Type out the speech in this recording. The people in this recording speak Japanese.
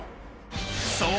［そう！